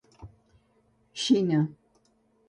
Xina.